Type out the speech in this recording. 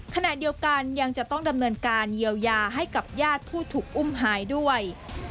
ขณะเดียวกันยังจะต้องดำเนินการเยียวยาให้กับญาติผู้ถูกอุ้มหายด้วย